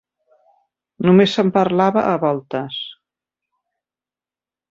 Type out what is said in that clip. Només se'n parlava a voltes